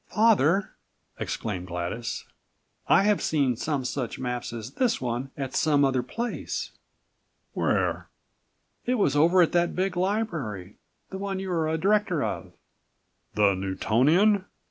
"Father," exclaimed Gladys, "I have seen some such maps as this one at some other place." "Where?" "It was over at that big library, the one you are a director of." "The Newtonian?"